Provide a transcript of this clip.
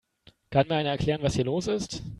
Kann mir einer erklären, was hier los ist?